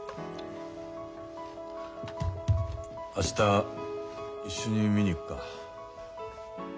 明日一緒に見に行くか。